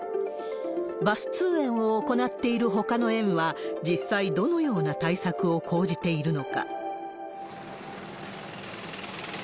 バス通園を行っているほかの園は、実際、どのような対策を講じているのか。